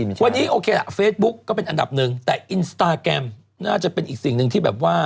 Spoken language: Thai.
วันนี้โอเคล่ะเฟซบุ๊กก็เป็นอันดับหนึ่งแต่อินสตาแกรมน่าจะเป็นอีกสิ่งหนึ่งที่แบบว่า